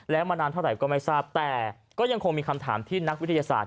แล้วมานานเท่าไหร่ก็ไม่ทราบแต่ก็ยังคงมีคำถามที่นักวิทยาศาสต